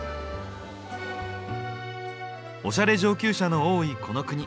オシャレ上級者の多いこの国。